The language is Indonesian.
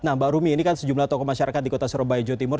nah mbak rumi ini kan sejumlah tokoh masyarakat di kota surabaya jawa timur